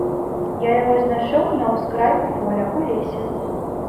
Я яго знайшоў на ўскрайку поля, у лесе.